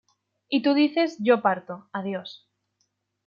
Y tú dices: "Yo parto, adiós".